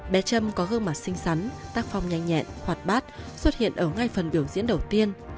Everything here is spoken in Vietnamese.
bé trâm có hương mặt xinh xắn tác phong nhanh nhẹn hoạt bát xuất hiện ở ngay phần biểu diễn đầu tiên